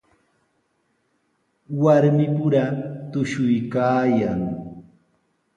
Warmipura tushuykaayan.